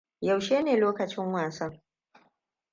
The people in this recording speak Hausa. Yaushe ne lokacin wasan?